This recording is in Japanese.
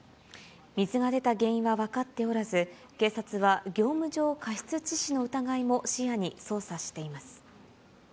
水が出た原因は分かっておらず、警察は業務上過失致死の疑いも視野に捜査しています。